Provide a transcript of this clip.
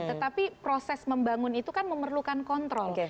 tetapi proses membangun itu kan memerlukan kontrol